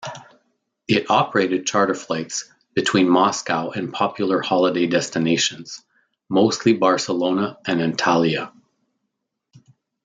It operated charter flights between Moscow and popular holiday destinations, mostly Barcelona and Antalya.